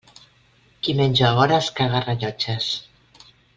Qui menja hores, caga rellotges.